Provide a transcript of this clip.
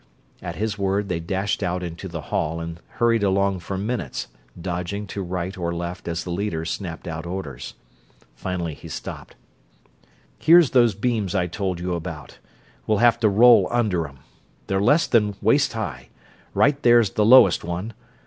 At his word they dashed out into the hall and hurried along for minutes, dodging to right or left as the leader snapped out orders. Finally he stopped. "Here's those beams I told you about. We'll have to roll under 'em. They're less than waist high right there's the lowest one.